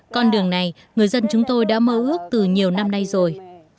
con đường này người dân chúng tôi đã mơ ước từ nhiều năm nay rồi